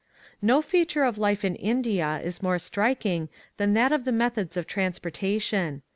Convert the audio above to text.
No feature of life in India is more striking than that of the methods of trans portation.